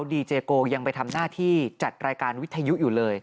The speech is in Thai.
ดีเจโกยังไปทำหน้าที่จัดรายการวิทยุอยู่เลย